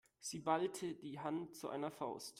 Sie ballte die Hand zu einer Faust.